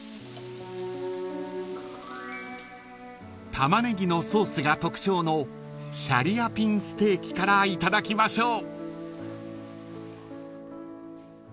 ［タマネギのソースが特徴のシャリアピンステーキからいただきましょう］